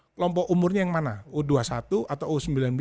kelompok umurnya yang mana u dua puluh satu atau u sembilan belas